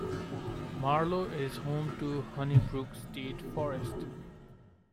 Marlow is home to Honey Brook State Forest.